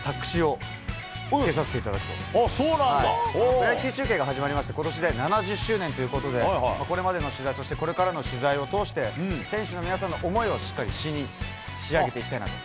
プロ野球中継が始まりまして、ことしで７０周年ということで、これまでの取材、そしてこれからの取材を通して、選手の皆さんの思いをしっかり詞に仕上げていきたいなと。